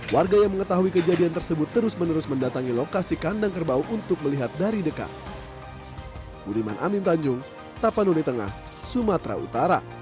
warga yang mengetahui kejadian tersebut terus menerus mendatangi lokasi kandang kerbau untuk melihat dari dekat